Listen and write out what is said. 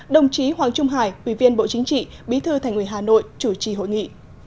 đồng chí hoàng trung hải ủy viên bộ chính trị bí thư thành ủy hà nội chủ trì hội nghị